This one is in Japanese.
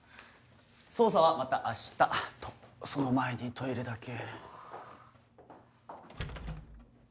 捜査はまた明日っとその前にトイレだけ。